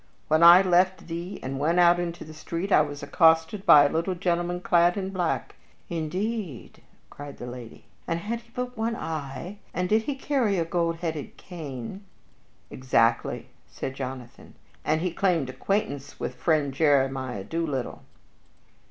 When I left thee and went out into the street I was accosted by a little gentleman clad in black." "Indeed!" cried the lady. "And had he but one eye, and did he carry a gold headed cane?" "Exactly," said Jonathan; "and he claimed acquaintance with friend Jeremiah Doolittle."